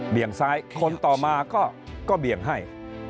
ซ้ายคนต่อมาก็เบี่ยงให้